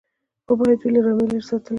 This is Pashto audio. خو باید وي له رمې لیري ساتلی